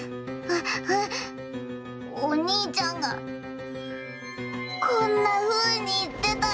おにいちゃんがこんなふうにいってたの。